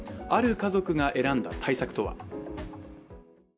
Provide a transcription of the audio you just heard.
ある家族が選んだ対策とは？